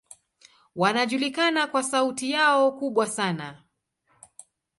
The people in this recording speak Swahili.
Wanajulikana kwa sauti yao kubwa sana.